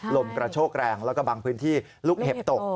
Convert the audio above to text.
ลมกระโชกแรงแล้วก็บางพื้นที่ลูกเห็บตก